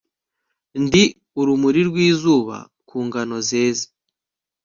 Ndi urumuri rwizuba ku ngano zeze